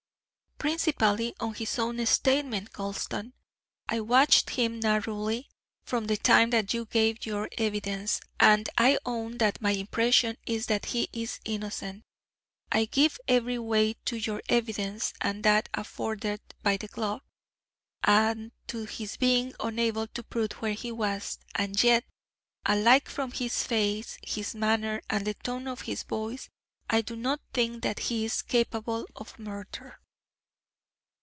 "Principally on his own statement, Gulston. I watched him narrowly from the time that you gave your evidence, and I own that my impression is that he is innocent. I give every weight to your evidence and that afforded by the glove, and to his being unable to prove where he was; and yet, alike from his face, his manner, and the tone of his voice, I do not think that he is capable of murder."